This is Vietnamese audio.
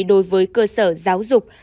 đối với cơ sở giáo dục